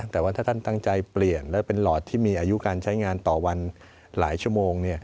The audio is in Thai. แต่ว่าถ้าท่านตั้งใจเปลี่ยนแล้วเป็นหลอดที่มีอายุการใช้งานต่อวันหลายชั่วโมง